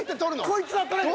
こいつは取れん！